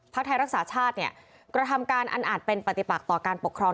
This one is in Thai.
ไทยรักษาชาติเนี่ยกระทำการอันอาจเป็นปฏิปักต่อการปกครอง